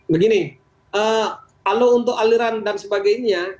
begini kalau untuk aliran dan sebagainya